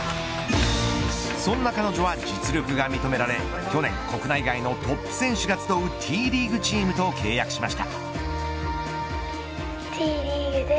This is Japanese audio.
そんな彼女は実力が認められ去年、国内外のトップ選手が集うＴリーグチームと契約しました。